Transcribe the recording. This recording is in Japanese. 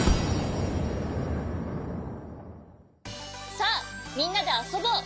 さあみんなであそぼう。